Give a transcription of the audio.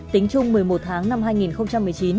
tính chung một mươi một tháng năm hai nghìn một mươi chín